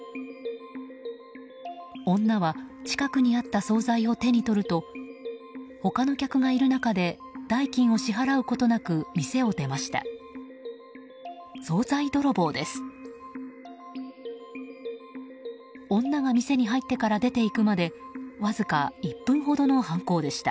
女は近くにあった総菜を手に取ると他の客がいる中で代金を支払うことなく店を出ました。